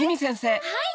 はい。